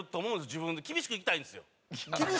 自分に厳しくいきたいんですよ。